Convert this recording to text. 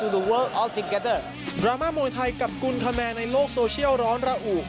ดราม่ามวยไทยกับกุลธแมในโลกโซเชียลร้อนระอุ